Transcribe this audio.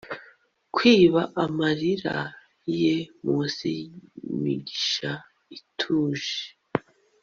kwiba amarira ye munsi yimigisha ituje